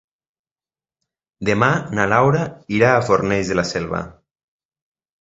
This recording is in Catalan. Demà na Laura irà a Fornells de la Selva.